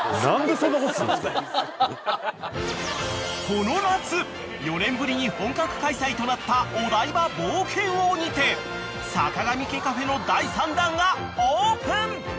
［この夏４年ぶりに本格開催となったお台場冒険王にてさかがみ家カフェの第３弾がオープン！］